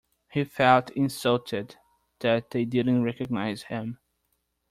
He felt insulted that they didn't recognise him.